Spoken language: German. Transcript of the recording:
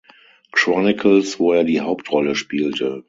Chronicles, wo er die Hauptrolle spielte.